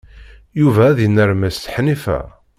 Yuba ad inermes Ḥnifa.